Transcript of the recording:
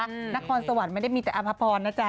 นครสวรรค์ไม่ได้มีแต่อภพรนะจ๊